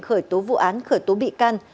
khởi tố vụ án khởi tố bị can